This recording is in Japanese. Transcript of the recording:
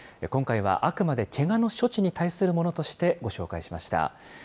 今回はあくまでけがの処置に対するものとしてご紹介しました。